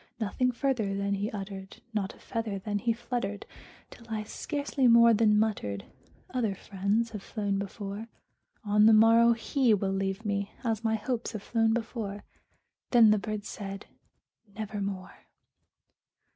Nothing further then he uttered not a feather then he fluttered Till I scarcely more than muttered, "Other friends have flown before On the morrow he will leave me, as my hopes have flown before." Then the bird said, "Nevermore."